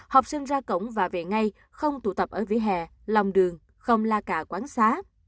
học sinh ra cổng và về ngay không tụ tập ở vỉa hè lòng đường không la cạ quán xá